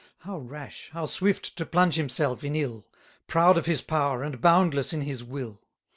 How rash, how swift to plunge himself in ill! Proud of his power, and boundless in his will!